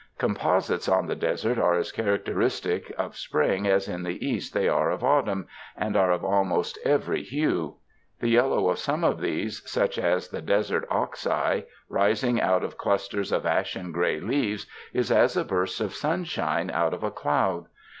Composites on the desert are as characteristic of spring as in the East they are of autumn, and are of almost every hue. The yellow of some of these, such as the desert ox eye, rising out of clusters of ^ 44 THE DESERTS ashen gray leaves, is as a burst of sunshine out of a cloud.